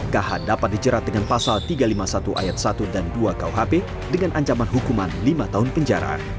kh dapat dijerat dengan pasal tiga ratus lima puluh satu ayat satu dan dua kuhp dengan ancaman hukuman lima tahun penjara